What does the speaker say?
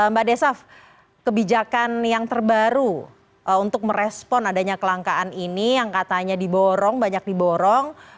mbak desaf kebijakan yang terbaru untuk merespon adanya kelangkaan ini yang katanya diborong banyak diborong